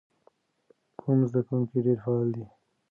کوم زده کوونکی ډېر فعال دی؟